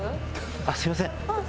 あっすみません。